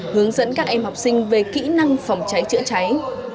hướng dẫn các em học sinh về kỹ năng phòng cháy chữa cháy